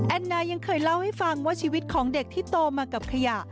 นายยังเคยเล่าให้ฟังว่าชีวิตของเด็กที่โตมากับขยะ